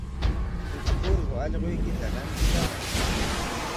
Huk urqu allquykita rantikamay.